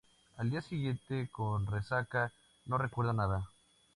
Al día siguiente, con resaca, no recuerda nada.